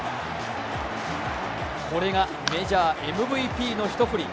これがメジャーＭＶＰの一振り。